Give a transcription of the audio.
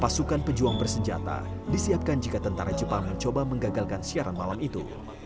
pasukan pejuang bersenjata disiapkan jika tentara jepang mencoba menggagalkan siaran malam itu